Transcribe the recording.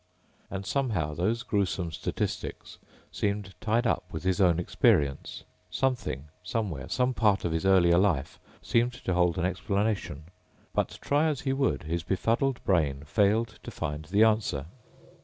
And somehow those gruesome statistics seemed tied up with his own experience. Something, somewhere, some part of his earlier life, seemed to hold an explanation. But try as he would his befuddled brain failed to find the answer.